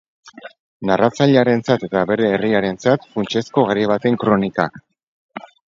Narratzailearentzat eta bere herriarentzat funtsezko garai baten kronika.